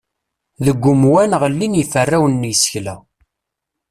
Deg umwan, ɣellin yiferrawen n yisekla.